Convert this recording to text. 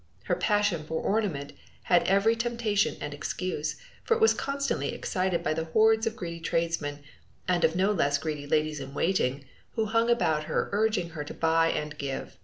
Her passion for ornament had every temptation and excuse, for it was constantly excited by the hoards of greedy tradesmen and of no less greedy ladies in waiting who hung about her urging her to buy and give.